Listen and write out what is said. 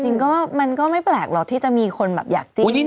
จริงก็มันก็ไม่แปลกหรอกที่จะมีคนอาจอีก